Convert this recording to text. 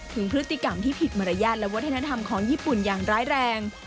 ถึงพฤติกรรมที่ผิดมารยาทและวัฒนธรรมของญี่ปุ่นอย่างร้ายแรง